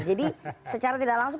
jadi secara tidak langsung